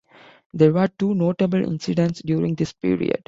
There were two notable incidents during this period.